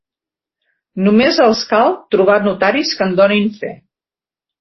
Només els cal trobar notaris que en donin fe.